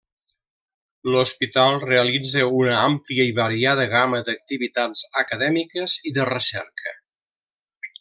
L'hospital realitza una àmplia i variada gamma d'activitats acadèmiques i de recerca.